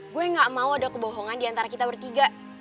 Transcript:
gue gak mau ada kebohongan diantara kita bertiga